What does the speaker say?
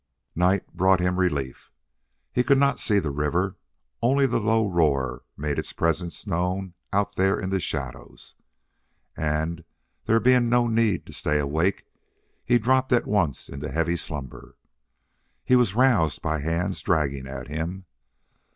Night brought him relief. He could not see the river; only the low roar made its presence known out there in the shadows. And, there being no need to stay awake, he dropped at once into heavy slumber. He was roused by hands dragging at him.